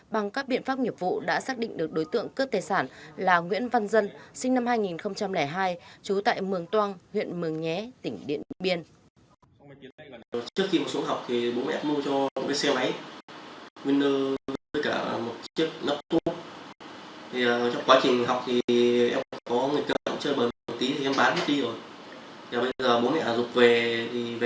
bằng các biện pháp nghiệp vụ đã xác định được đối tượng cướp tài sản là nguyễn văn dân sinh năm hai nghìn hai trú tại mường toan huyện mường nhé tỉnh điện biên